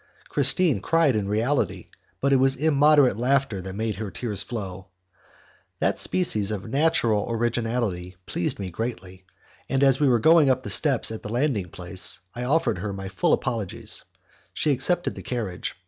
Christine cried in reality, but it was immoderate laughter that made her tears flow. That species of natural originality pleased me greatly, and as we were going up the steps at the landing place, I offered her my full apologies; she accepted the carriage.